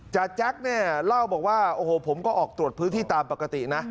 แจ็คเนี่ยเล่าบอกว่าโอ้โหผมก็ออกตรวจพื้นที่ตามปกตินะ